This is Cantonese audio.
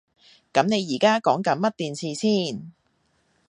噉你而家講緊乜電視先？